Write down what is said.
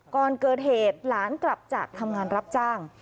ก่อนเกิดเหตุหลานกลับจากทำงานรับจ้าง